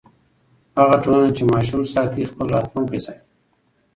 هغه ټولنه چې ماشوم ساتي، خپل راتلونکی ساتي.